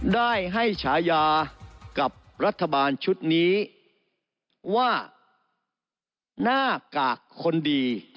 ได้ให้ฉายากับรัฐบาลชุดนี้ว่าหน้ากากคนดี